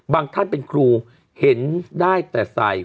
บางท่านเป็นครูเห็นได้แต่สายหัว